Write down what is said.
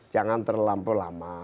jangan terlampau lama